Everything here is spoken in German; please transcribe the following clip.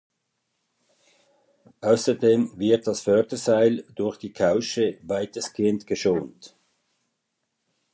Außerdem wird das Förderseil durch die Kausche weitestgehend geschont.